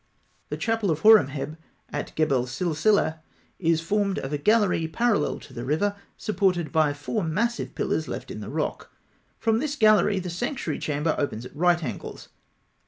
The chapel of Horemheb (fig. 89), at Gebel Silsileh, is formed of a gallery parallel to the river (A), supported by four massive pillars left in the rock. From this gallery, the sanctuary chamber opens at right angles.